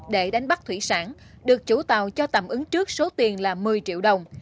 để đánh bắt thủy sản được chủ tàu cho tạm ứng trước số tiền là một mươi triệu đồng